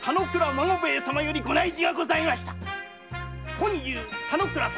本夕田之倉様